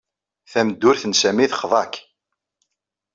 Tameddurt n Sami texḍa-k.